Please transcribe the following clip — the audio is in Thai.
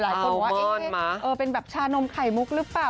หลายคนบอกว่าเป็นแบบชานมไข่มุกหรือเปล่า